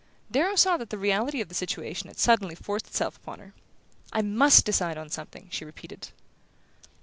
Darrow saw that the reality of the situation had suddenly forced itself upon her. "I MUST decide on something," she repeated.